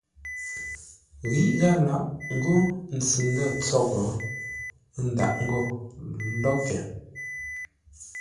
Ghíʼ gháp lâʼ ńgó ntsʉ-ndə̂ tsóʼo ə́ ndâʼ ńgó locken.